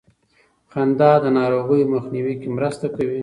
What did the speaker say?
خندا د ناروغیو مخنیوي کې مرسته کوي.